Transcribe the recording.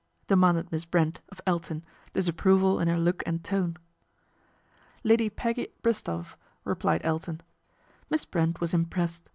demanded Miss Brent of Elton, disapproval in her look and tone. " Lady Peggy Bristowe," replied Elton. Miss Brent was impressed.